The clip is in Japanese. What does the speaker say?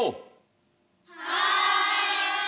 はい！